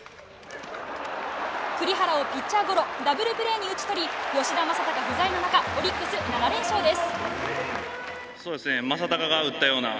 栗原をピッチャーゴロダブルプレーに打ち取り吉田正尚不在の中オリックス７連勝です。